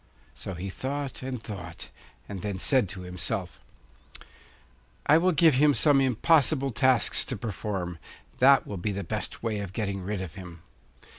So he thought and thought, and then said to himself: 'I will give him some impossible tasks to perform; that will be the best way of getting rid of him.